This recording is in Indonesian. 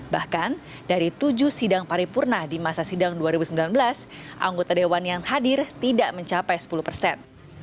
bahkan dari tujuh sidang paripurna di masa sidang dua ribu sembilan belas anggota dewan yang hadir tidak mencapai sepuluh persen